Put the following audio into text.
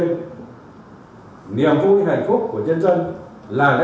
chúng ta luôn tiến lên chúng ta luôn tiến lên chúng ta luôn tiến lên chúng ta luôn tiến lên